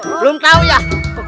belum tahu ya kekuatanmu